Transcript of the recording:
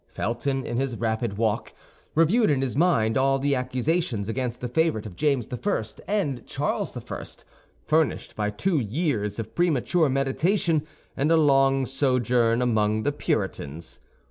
Felton, in his rapid walk, reviewed in his mind all the accusations against the favorite of James I. and Charles I., furnished by two years of premature meditation and a long sojourn among the Puritans.